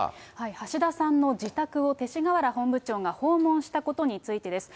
橋田さんの自宅を勅使河原本部長が訪問したことについてです。